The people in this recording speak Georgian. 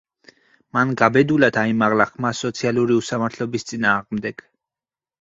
მან გაბედულად აიმაღლა ხმა სოციალური უსამართლობის წინააღმდეგ.